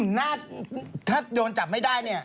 หน้าถ้าโจรจับไม่ได้เนี่ย